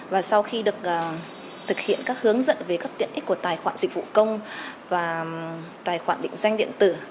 và sau khi được thực hiện các hướng dẫn về các tiện ích của tài khoản dịch vụ công và tài khoản định danh điện tử